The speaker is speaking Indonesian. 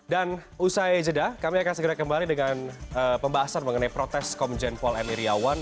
dan usai jeda kami akan segera kembali dengan pembahasan mengenai protes komjen paul n iryawan